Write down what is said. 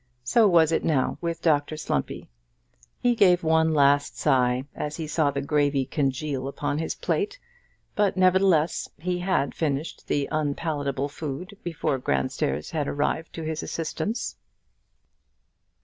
So was it now with Dr Slumpy. He gave one last sigh as he saw the gravy congeal upon his plate, but, nevertheless, he had finished the unpalatable food before Grandairs had arrived to his assistance.